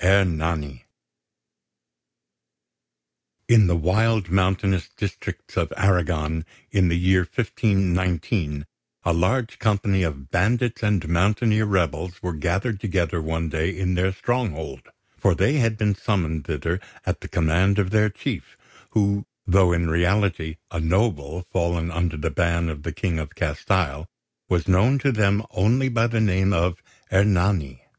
ERNANI In the wild mountainous districts of Arragon, in the year 1519, a large company of bandits and mountaineer rebels were gathered together one day in their stronghold; for they had been summoned thither at the command of their chief, who, though in reality a noble fallen under the ban of the King of Castile, was known to them only by the name of Ernani.